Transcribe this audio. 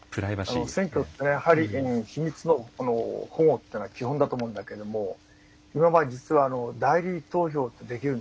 選挙って、やはり秘密の保護というのが基本だと思うんだけれども実は代理投票ってできるんですね